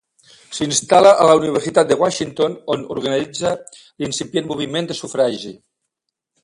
S'instal·la a la Universitat de Washington, on organitza l'incipient moviment de sufragi.